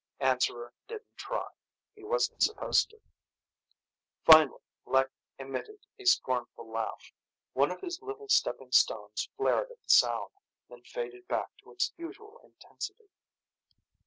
Answerer didn't try. He wasn't supposed to. Finally, Lek emitted a scornful laugh. One of his little stepping stones flared at the sound, then faded back to its usual intensity.